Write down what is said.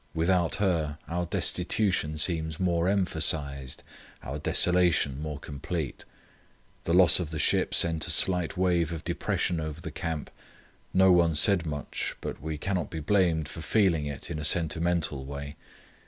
Without her our destitution seems more emphasized, our desolation more complete. The loss of the ship sent a slight wave of depression over the camp. No one said much, but we cannot be blamed for feeling it in a sentimental way.